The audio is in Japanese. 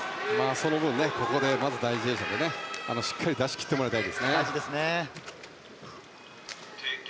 その分、ここの第１泳者でしっかり出し切ってもらいたいですね。